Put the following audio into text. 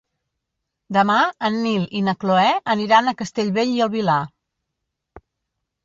Demà en Nil i na Cloè aniran a Castellbell i el Vilar.